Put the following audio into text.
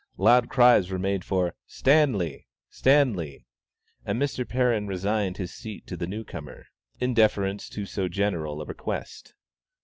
Loud cries were made for "Stanley! Stanley!" and Mr. Perrin resigned his seat to the new comer, in deference to so general a request.